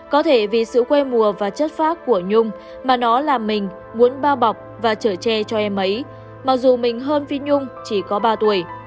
có thể vì sự quê mùa và chất phác của nhung mà nó là mình muốn bao bọc và trở tre cho em ấy mặc dù mình hơn phi nhung chỉ có ba tuổi